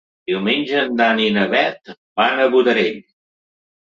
Diumenge en Dan i na Bet van a Botarell.